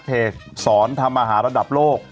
สอนทำอาหารระดับโลก